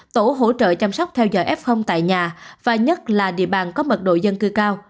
tổ hỗ trợ chăm sóc theo giờ f tại nhà và nhất là địa bàn có mật độ dân cư cao